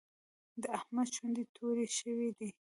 د احمد شونډې تورې شوې دي.